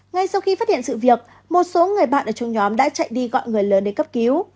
ngay sau khi phát hiện sự việc một số người bạn ở trong nhóm đã chạy đi gọi người lớn để cấp cứu